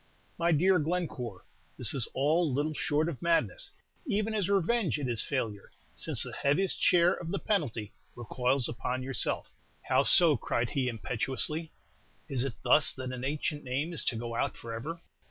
"My dear Glencore, this is all little short of madness; even as revenge it is a failure, since the heaviest share of the penalty recoils upon yourself." "How so?" cried he, impetuously. "Is it thus that an ancient name is to go out forever?